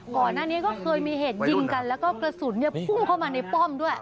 ก่อนหน้านี้ก็เคยมีเหตุยิงกันแล้วก็กระสุนพุ่งเข้ามาในป้อมด้วย